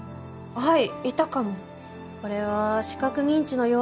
はい。